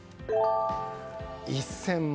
１０００万。